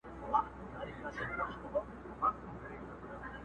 چاته وايی نابغه د دې جهان یې،